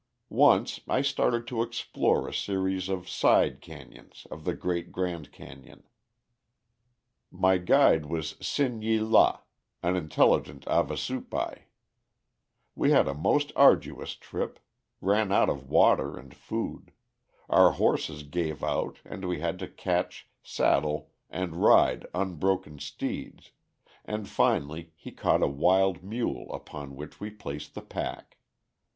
Once I started to explore a series of side canyons of the great Grand Canyon. My guide was Sin ye la, an intelligent Havasupai. We had a most arduous trip; ran out of water and food; our horses gave out and we had to catch, saddle, and ride unbroken steeds, and finally he caught a wild mule upon which we placed the pack.